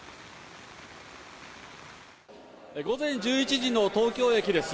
午前１１時の東京駅です。